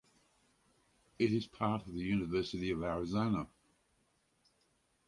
It is part of the University of Arizona.